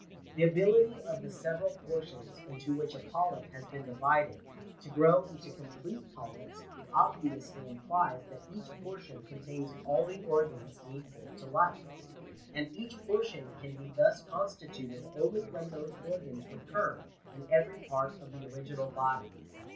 The ability of the several portions into which a polyp has been divided, to grow into complete polyps, obviously implies that each portion con tains all the organs needful to life ; and each portion can be thus constituted only when those organs recur in every part of the original body.